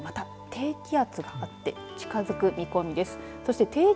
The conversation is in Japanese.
北日本に、また低気圧があって近づく見込みです。